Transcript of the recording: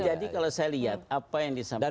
jadi kalau saya lihat apa yang disampaikan